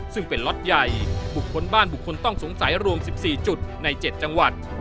ซึ่งเป็นล็อตใหญ่บุคคลบ้านบุคคลต้องสงสัยรวม๑๔จุดใน๗จังหวัด